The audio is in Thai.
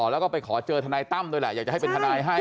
แล้วก็ไปขอเจอทนายตั้มด้วยแหละอยากจะให้เป็นทนายให้